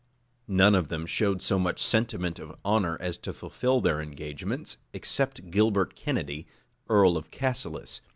None of them showed so much sentiment of honor as to fulfil their engagements, except Gilbert Kennedy, earl of Cassilis.